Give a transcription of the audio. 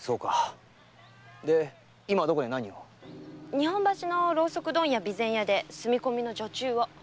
日本橋の蝋燭問屋・備前屋で住み込みの女中を。